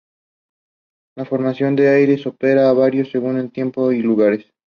La forma de los aires de ópera ha variado según los tiempos y lugares.